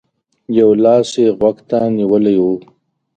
يو لاس يې غوږ ته نيولی و.